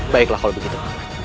baiklah kalau begitu